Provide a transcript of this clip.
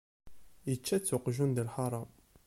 Ičča-tt uqjun di lḥara.